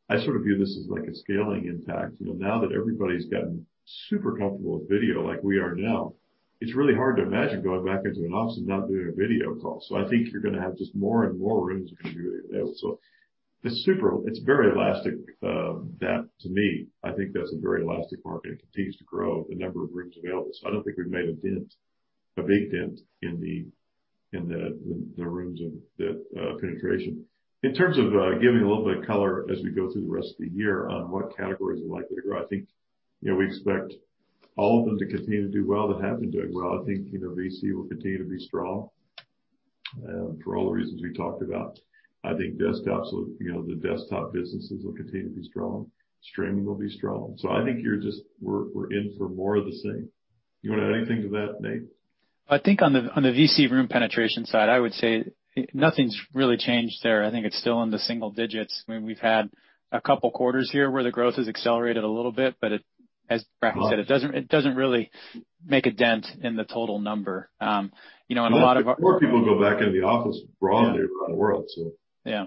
I sort of view this as like a scaling impact. Now that everybody's gotten super comfortable with video like we are now, it's really hard to imagine going back into an office and not doing a video call. I think you're going to have just more and more rooms which are going to be available. It's very elastic. To me, I think that's a very elastic market. It continues to grow, the number of rooms available. I don't think we've made a big dent in the rooms of that penetration. In terms of giving a little bit of color as we go through the rest of the year on what categories are likely to grow, I think we expect all of them to continue to do well that have been doing well. I think VC will continue to be strong. For all the reasons we talked about, I think the desktop businesses will continue to be strong. Streaming will be strong. I think we're in for more of the same. You want to add anything to that, Nate? I think on the VC room penetration side, I would say nothing's really changed there. I think it's still in the single digits. We've had a couple quarters here where the growth has accelerated a little bit, but as Bracken said, it doesn't really make a dent in the total number. A lot of our- More people go back in the office broadly around the world. Yeah.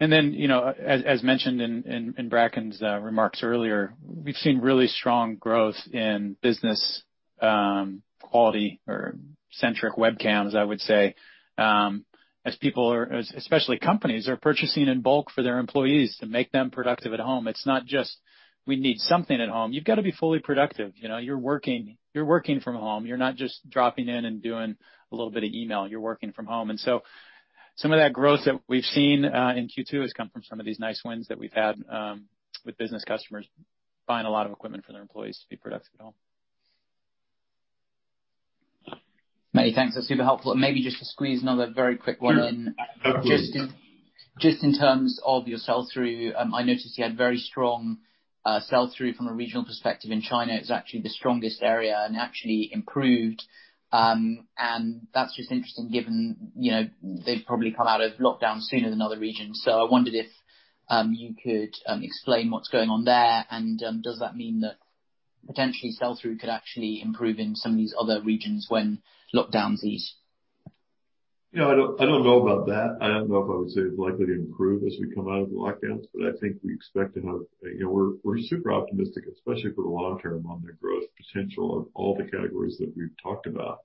As mentioned in Bracken's remarks earlier, we've seen really strong growth in business quality or centric webcams, I would say. People, especially companies, are purchasing in bulk for their employees to make them productive at home. It's not just, we need something at home. You've got to be fully productive. You're working from home. You're not just dropping in and doing a little bit of email. You're working from home. Some of that growth that we've seen in Q2 has come from some of these nice wins that we've had with business customers buying a lot of equipment for their employees to be productive at home. Nate, thanks. That's super helpful. Maybe just to squeeze another very quick one in. Sure. Go for it. Just in terms of your sell-through, I noticed you had very strong sell-through from a regional perspective in China. It was actually the strongest area and actually improved. That's just interesting given they've probably come out of lockdown sooner than other regions. I wondered if you could explain what's going on there, and does that mean that potentially sell-through could actually improve in some of these other regions when lockdowns ease? I don't know about that. I don't know if I would say it's likely to improve as we come out of the lockdowns, but I think we expect to have. We're super optimistic, especially for the long term, on the growth potential of all the categories that we've talked about.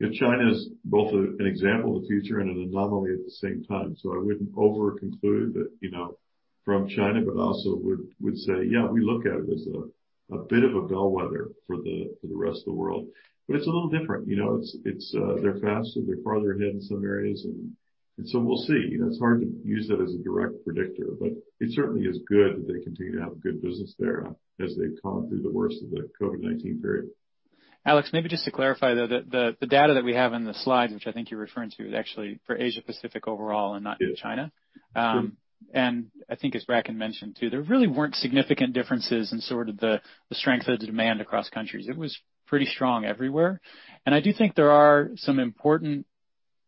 China is both an example of the future and an anomaly at the same time. I wouldn't over-conclude that from China, but also would say, yeah, we look at it as a bit of a bellwether for the rest of the world. It's a little different. They're faster, they're farther ahead in some areas, we'll see. It's hard to use that as a direct predictor, but it certainly is good that they continue to have good business there as they've come through the worst of the COVID-19 period. Alex, maybe just to clarify, the data that we have in the slide, which I think you're referring to, is actually for Asia Pacific overall and not just China. Yeah. Sure. I think as Bracken mentioned, too, there really weren't significant differences in sort of the strength of the demand across countries. It was pretty strong everywhere. I do think there are some important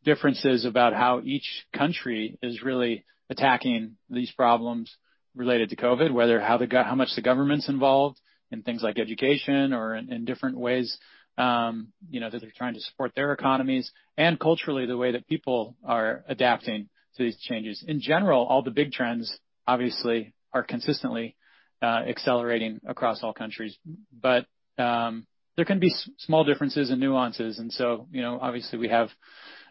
differences about how each country is really attacking these problems related to COVID, whether how much the government's involved in things like education or in different ways that they're trying to support their economies, and culturally, the way that people are adapting to these changes. In general, all the big trends, obviously, are consistently accelerating across all countries. There can be small differences and nuances. Obviously we have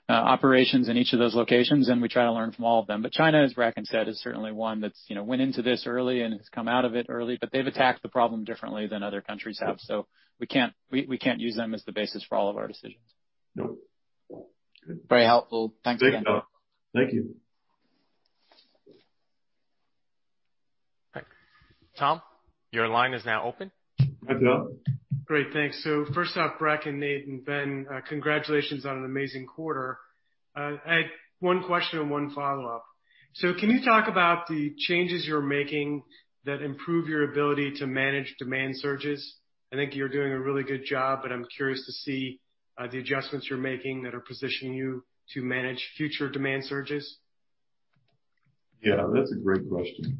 operations in each of those locations, and we try to learn from all of them. China, as Bracken said, is certainly one that went into this early and has come out of it early, but they've attacked the problem differently than other countries have. We can't use them as the basis for all of our decisions. No. Good. Very helpful. Thanks again. Thank you. Tom, your line is now open. Hi, Ben. Great, thanks. First off, Bracken, Nate, and Ben, congratulations on an amazing quarter. I had one question and one follow-up. Can you talk about the changes you're making that improve your ability to manage demand surges? I think you're doing a really good job, but I'm curious to see the adjustments you're making that are positioning you to manage future demand surges. Yeah, that's a great question.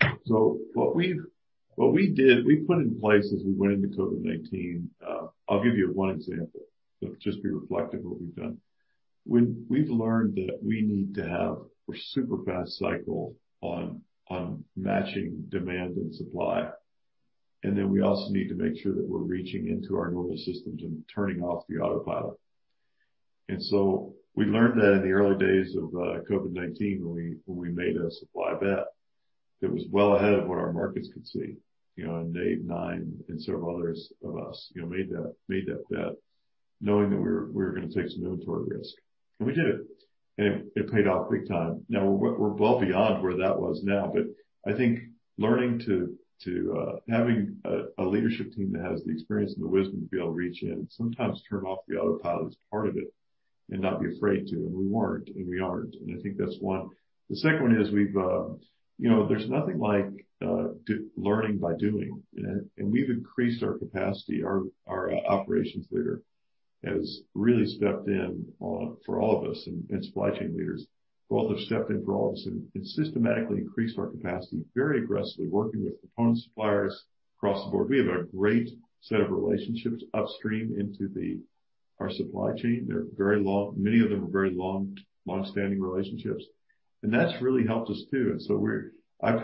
What we did, we put in place as we went into COVID-19. I'll give you one example to just be reflective of what we've done. We've learned that we need to have a super fast cycle on matching demand and supply. We also need to make sure that we're reaching into our nervous systems and turning off the autopilot. We learned that in the early days of COVID-19, when we made a supply bet that was well ahead of what our markets could see. Nate, Nine, and several others of us made that bet knowing that we were going to take some inventory risk. We did it, and it paid off big time. We're well beyond where that was now, but I think having a leadership team that has the experience and the wisdom to be able to reach in and sometimes turn off the autopilot is part of it and not be afraid to, and we weren't, and we aren't. I think that's one. The second one is there's nothing like learning by doing. We've increased our capacity. Our operations leader has really stepped in for all of us, and supply chain leaders both have stepped in for all of us and systematically increased our capacity, very aggressively working with component suppliers across the board. We have a great set of relationships upstream into our supply chain. Many of them are very long-standing relationships, and that's really helped us too. I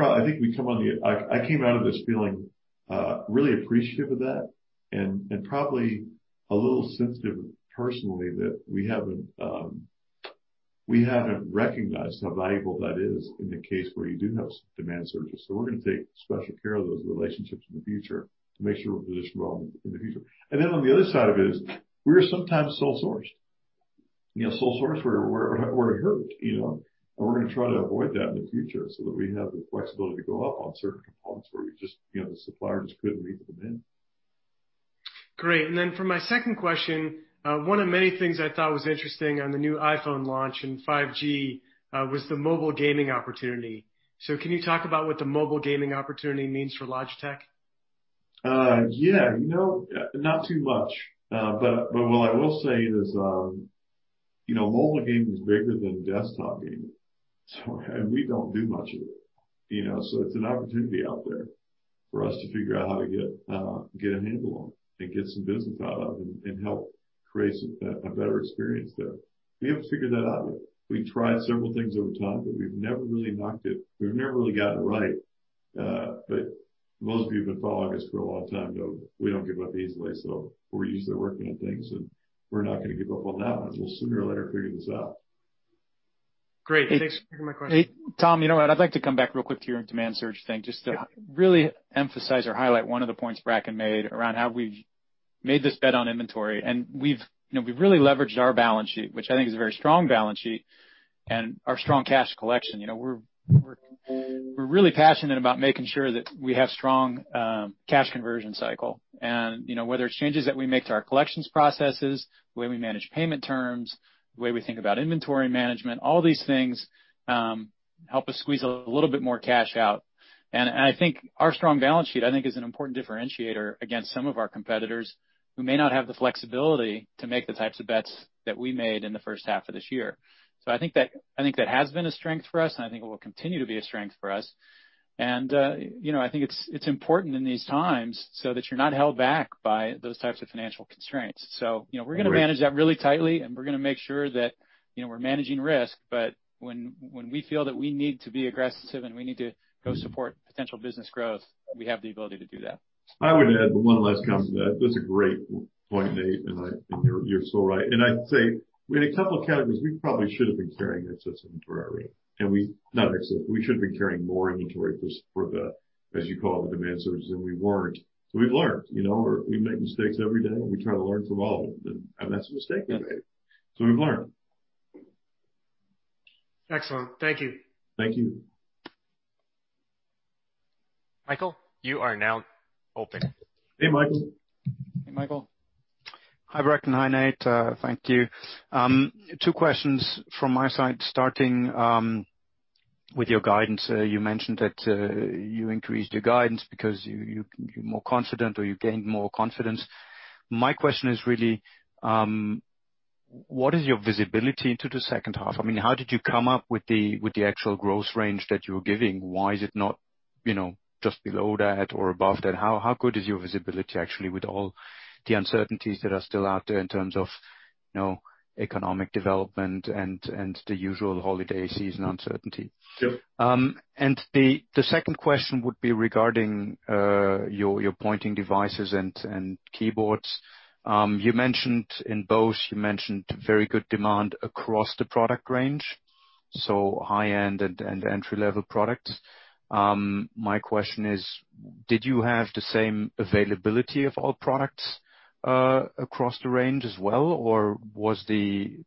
came out of this feeling really appreciative of that and probably a little sensitive personally that we haven't recognized how valuable that is in the case where you do have demand surges. We're going to take special care of those relationships in the future to make sure we're positioned well in the future. Then on the other side of it is we're sometimes sole-sourced. Sole-source, we're hurt. We're going to try to avoid that in the future so that we have the flexibility to go up on certain components where the supplier just couldn't meet the demand. Great. For my second question, one of many things I thought was interesting on the new iPhone launch and 5G, was the mobile gaming opportunity. Can you talk about what the mobile gaming opportunity means for Logitech? Yeah. Not too much. What I will say is, mobile gaming is bigger than desktop gaming, and we don't do much of it. It's an opportunity out there for us to figure out how to get a handle on it and get some business out of, and help create a better experience there. We haven't figured that out yet. We tried several things over time, but we've never really knocked it. We've never really got it right. Those of you who've been following us for a long time know we don't give up easily, so we're usually working on things, and we're not going to give up on that one. We'll sooner or later figure this out. Great. Thanks. Second question. Nate, Tom, you know what? I'd like to come back real quick to your demand surge thing, just to really emphasize or highlight one of the points Bracken made around how we've made this bet on inventory. We've really leveraged our balance sheet, which I think is a very strong balance sheet, and our strong cash collection. We're really passionate about making sure that we have strong cash conversion cycle. Whether it's changes that we make to our collections processes, the way we manage payment terms, the way we think about inventory management, All these things help us squeeze a little bit more cash out. I think our strong balance sheet, I think is an important differentiator against some of our competitors who may not have the flexibility to make the types of bets that we made in the H1 of this year. I think that has been a strength for us, and I think it will continue to be a strength for us. I think it's important in these times so that you're not held back by those types of financial constraints. We're going to manage that really tightly, and we're going to make sure that we're managing risk. When we feel that we need to be aggressive and we need to go support potential business growth, we have the ability to do that. I would add one last comment to that. That's a great point, Nate, and you're so right. I'd say, in a couple of categories, we probably should have been carrying excess inventory. Not excess. We should have been carrying more inventory for the, as you call, the demand surges, and we weren't. We've learned. We make mistakes every day, and we try to learn from all of them, and that's a mistake we made. We've learned. Excellent. Thank you. Thank you. Michael, you are now open. Hey, Michael. Hey, Michael. Hi, Bracken. Hi, Nate. Thank you. Two questions from my side, starting with your guidance. You mentioned that you increased your guidance because you're more confident, or you gained more confidence. My question is really, what is your visibility into the second half? I mean, how did you come up with the actual growth range that you were giving? Why is it not just below that or above that? How good is your visibility actually with all the uncertainties that are still out there in terms of economic development and the usual holiday season uncertainty? Sure. The second question would be regarding your pointing devices and keyboards. In both, you mentioned very good demand across the product range, so high-end and entry-level products. My question is, did you have the same availability of all products, across the range as well? Was the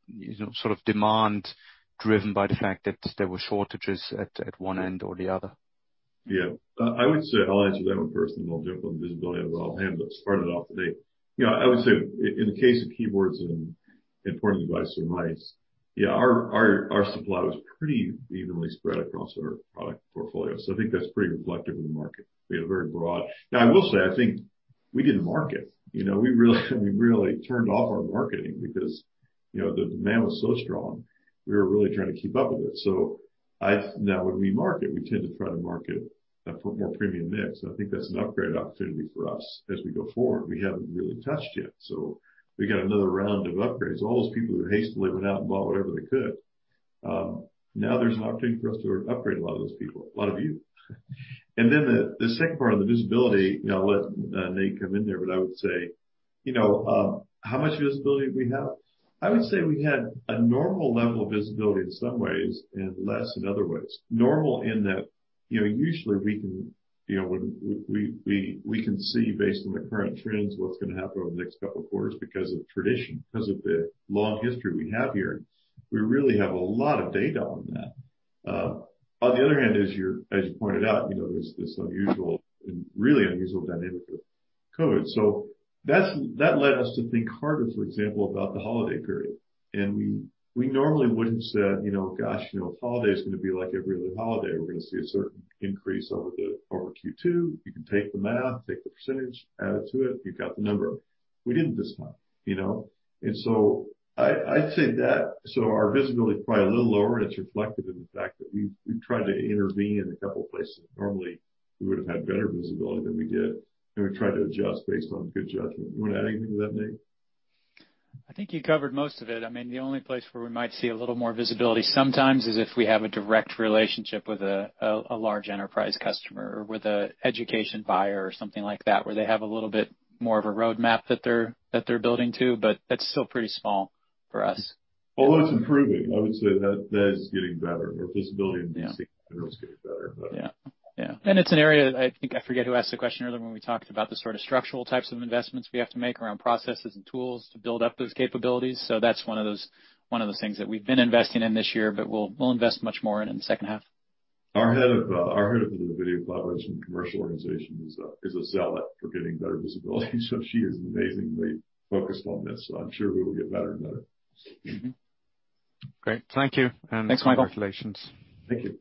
sort of demand driven by the fact that there were shortages at one end or the other? Yeah. I'll answer that one first, and then I'll jump on the visibility on the other hand. To start it off today, I would say, in the case of keyboards and pointing devices or mice, yeah, our supply was pretty evenly spread across our product portfolio. I think that's pretty reflective of the market. Now, I will say, I think we didn't market. We really turned off our marketing because the demand was so strong. We were really trying to keep up with it. Now, when we market, we tend to try to market for more premium mix, and I think that's an upgrade opportunity for us as we go forward we haven't really touched yet. We got another round of upgrades. All those people who hastily went out and bought whatever they could, now there's an opportunity for us to upgrade a lot of those people, a lot of you. The second part on the visibility, I'll let Nate come in there, but I would say, how much visibility do we have? I would say we had a normal level of visibility in some ways and less in other ways. Normal in that, usually we can see based on the current trends what's going to happen over the next couple of quarters because of tradition, because of the long history we have here. We really have a lot of data on that. On the other hand, as you pointed out, there's this really unusual dynamic with COVID. That led us to think harder, for example, about the holiday period. We normally would have said, "Gosh, holiday is going to be like every other holiday. We're going to see a certain increase over Q2. You can take the math, take the percentage, add it to it, you've got the number." We didn't this time. I'd say that our visibility is probably a little lower, and it's reflected in the fact that we've tried to intervene in a couple of places. Normally, we would have had better visibility than we did, and we tried to adjust based on good judgment. You want to add anything to that, Nate? I think you covered most of it. The only place where we might see a little more visibility sometimes is if we have a direct relationship with a large enterprise customer or with an education buyer or something like that, where they have a little bit more of a roadmap that they're building to, but that's still pretty small for us. Well, that's improving. I would say that is getting better. Our visibility in VC is getting better. Yeah. It's an area that I think I forget who asked the question earlier when we talked about the sort of structural types of investments we have to make around processes and tools to build up those capabilities. That's one of the things that we've been investing in this year, but we'll invest much more in in the H2. Our head of the Video Collaboration commercial organization is a zealot for getting better visibility. She is amazingly focused on this, so I'm sure we will get better and better. Great. Thank you. Thanks, Michael. Congratulations. Thank you.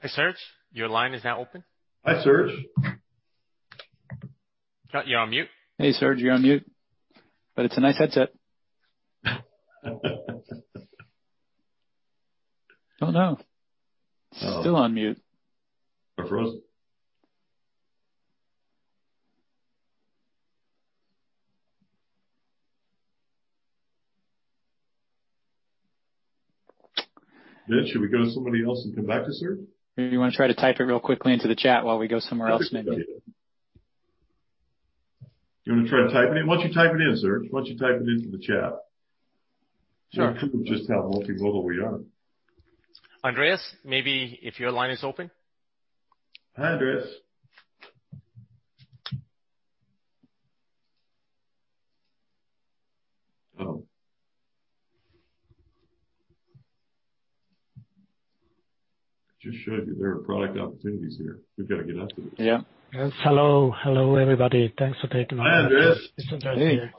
Hey, Serge, your line is now open. Hi, Serge. Serge, you're on mute. Hey, Serge, you're on mute. It's a nice headset. Oh, no. Still on mute. Frozen. Ben, should we go to somebody else and come back to Serge? Maybe you want to try to type it real quickly into the chat while we go somewhere else, maybe. You want to try typing it? Why don't you type it in, Serge? Why don't you type it into the chat. Sure. Show people just how multimodal we are. Andreas, maybe if your line is open. Hi, Andreas. Just showed you there are product opportunities here. We've got to get after this. Yeah. Hello. Hello, everybody. Thanks for taking. Hi, Andreas. Andreas here.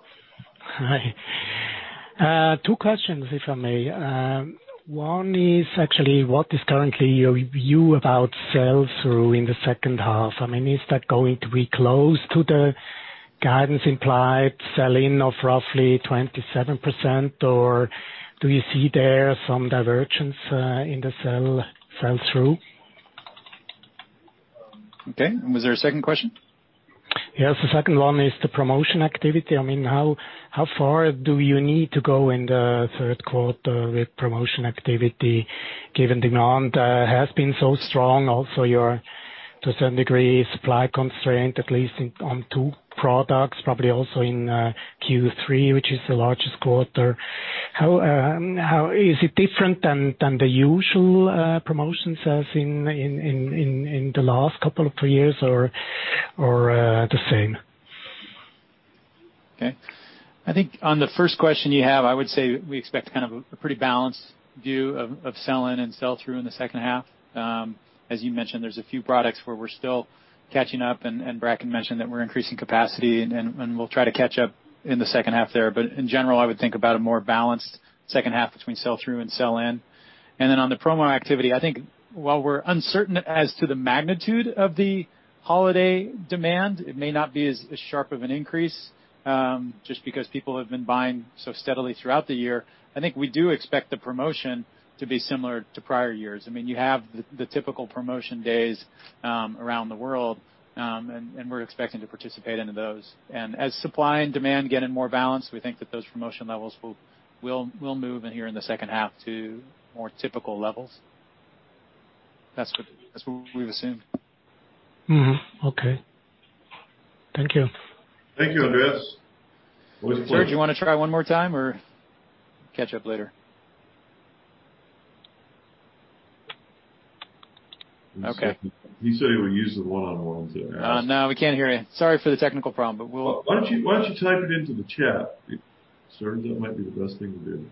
Hi. Two questions, if I may. One is actually what is currently your view about sell-through in the second half? Is that going to be close to the guidance implied sell-in of roughly 27%, or do you see there some divergence in the sell-through? Okay. Was there a second question? Yes, the second one is the promotion activity. How far do you need to go in the Q3 with promotion activity, given demand has been so strong, also your, to a certain degree, supply constraint, at least on two products, probably also in Q3, which is the largest quarter. Is it different than the usual promotion sales in the last couple of years or the same? Okay. I think on the first question you have, I would say we expect kind of a pretty balanced view of sell-in and sell-through in the second half. As you mentioned, there's a few products where we're still catching up, and Bracken mentioned that we're increasing capacity, and we'll try to catch up in the second half there. In general, I would think about a more balanced second half between sell-through and sell-in. On the promo activity, I think while we're uncertain as to the magnitude of the holiday demand, it may not be as sharp of an increase, just because people have been buying so steadily throughout the year. I think we do expect the promotion to be similar to prior years. You have the typical promotion days around the world, and we're expecting to participate into those. As supply and demand get in more balance, we think that those promotion levels will move in here in the second half to more typical levels. That's what we've assumed. Mm-hmm. Okay. Thank you. Thank you, Andreas. Serge, you want to try one more time or catch up later? Okay. He said he would use the one-on-one to ask. No, we can't hear you. Sorry for the technical problem. Why don't you type it into the chat, Serge? That might be the best thing to do.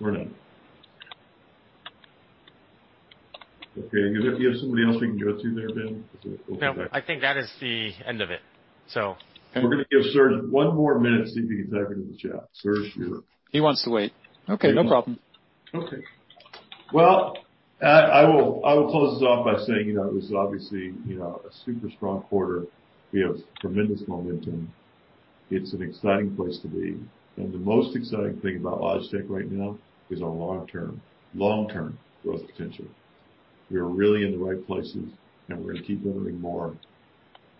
Or not. Okay. Do you have somebody else we can go to there, Ben? No, I think that is the end of it. We're going to give Serge one more minute, see if he can type it in the chat. Serge. He wants to wait. Okay, no problem. Okay. Well, I will close this off by saying, it was obviously a super strong quarter. We have tremendous momentum. It's an exciting place to be. The most exciting thing about Logitech right now is our long-term growth potential. We are really in the right places, and we're going to keep delivering more.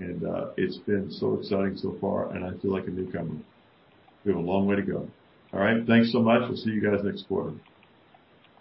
It's been so exciting so far, and I feel like a newcomer. We have a long way to go. All right. Thanks so much. We'll see you guys next quarter.